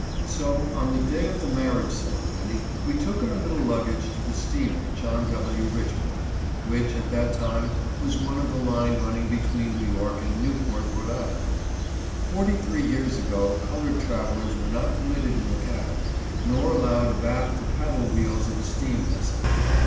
So, on the day of the marriage cere mony, we took our little luggage to the steamer John W. Richmond, which at that time was one of the line run ning between New York and Newport, R. I. Forty three years ago colored travelers were not permitted in the cabin, nor allowed abaft the paddle wheels of a steam vessel.